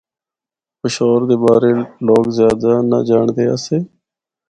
پشور دے بارے لوگ زیادہ نہ جانڑدے آسے۔